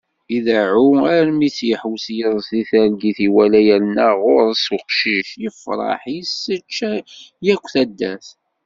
Ideεεu, armi t-yeḥwes yiḍes di targit iwala yerna γur-s uqcic, yefreḥ, isečč yakk taddart.